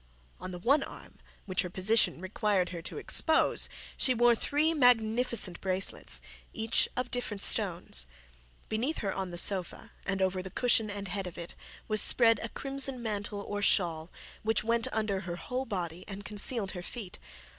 On the one arm which her position required her to expose she wore three magnificent bracelets, each of different stones. Beneath her on the sofa, and over the cushion and head of it, was spread a crimson silk mantle or shawl, which went under her whole body and concealed her feet.